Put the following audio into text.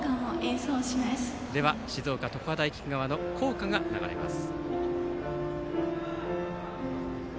では静岡・常葉大菊川の校歌が流れます。